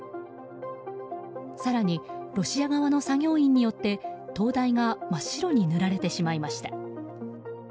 更にロシア側の作業員によって灯台が真っ白に塗られてしまいました。